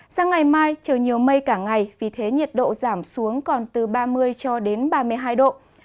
sáng ngày mai trời nhiều mây cả ngày vì thế nhiệt độ giảm xuống còn từ ba mươi ba mươi hai độ